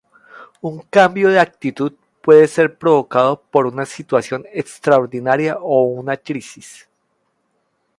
Un cambio de actitud puede ser provocado por una situación extraordinaria o una crisis.